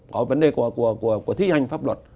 có vấn đề của thi hành pháp luật